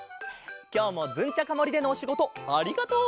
きょうもズンチャカもりでのおしごとありがとう！